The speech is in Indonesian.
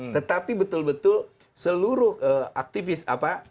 tetapi betul betul seluruh aktivis apa